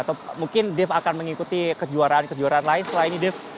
atau mungkin dave akan mengikuti kejuaraan kejuaraan lain selain dave